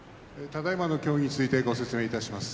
ただいまの協議についてご説明します。